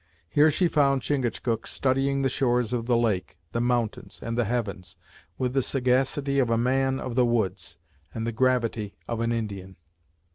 Here she found Chingachgook studying the shores of the lake, the mountains and the heavens, with the sagacity of a man of the woods, and the gravity of an Indian.